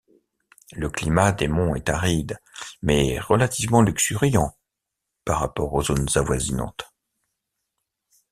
Le climat des monts est aride, mais relativement luxuriant par rapport aux zones avoisinantes.